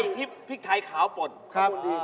ไล่ทิปพริกไทยขาวปนครับ